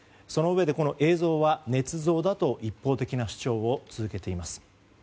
そのうえでこの映像はねつ造だと一方的な主張を続けています。